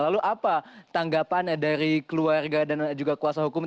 lalu apa tanggapan dari keluarga dan juga kuasa hukum